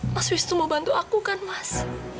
mas wisnu mau bantu aku kan mas